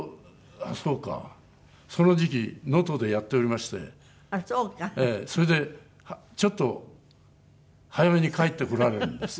その時期能登でやっておりましてそれでちょっと早めに帰ってこられるんです。